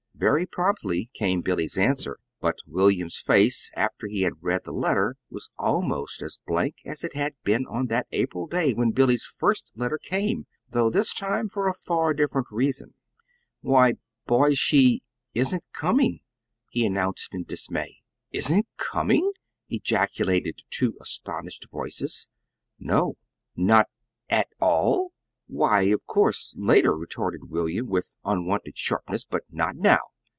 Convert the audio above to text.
Very promptly came Billy's answer; but William's face, after he had read the letter, was almost as blank as it had been on that April day when Billy's first letter came though this time for a far different reason. "Why, boys, she isn't coming," he announced in dismay. "Isn't coming!" ejaculated two astonished Voices. "No." "Not at ALL?" "Why, of course, later," retorted William, with unwonted sharpness. "But not now.